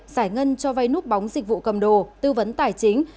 giải ngân cho vay nút bóng dịch vụ cầm đồ tư vấn tài chính